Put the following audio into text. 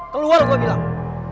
keluar gue bilang